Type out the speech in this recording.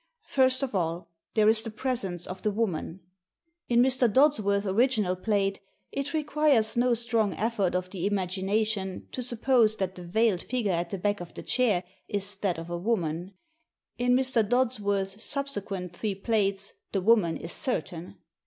First of all, there is the presence of the woman. In Mr. Dodsworth's original plate it re quires no strong effort of the imagination to suppose that the veiled figure at the back of the chair is that of a woman. In Mr. Dodsworth's subsequent three plates the woman is certain.